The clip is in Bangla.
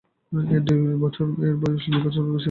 এর বয়স দুই হাজার বছরেরও বেশি।